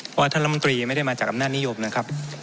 เพราะท่านรัฐมนตรีไม่ได้มาจากอำนาจนิยมนะครับ